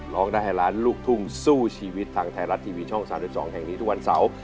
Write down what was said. ร้องได้ให้ล้านลูกทุ่งสู้ชีวิตทางไทยรัฐทีวีช่อง๓๒แห่งนี้ทุกวันเสาร์